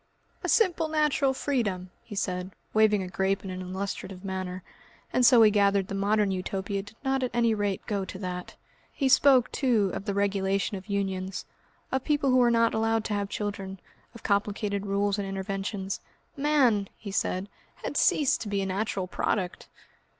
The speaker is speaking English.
"A simple natural freedom," he said, waving a grape in an illustrative manner, and so we gathered the Modern Utopia did not at any rate go to that. He spoke, too, of the regulation of unions, of people who were not allowed to have children, of complicated rules and interventions. "Man," he said, "had ceased to be a natural product!"